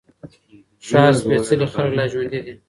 ښار سپېڅلي خلګ لا ژونـدي دي